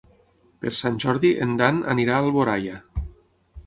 Per Sant Jordi en Dan anirà a Alboraia.